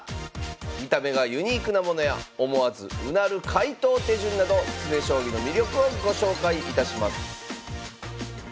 見た目がユニークなものや思わずうなる解答手順など詰将棋の魅力をご紹介いたします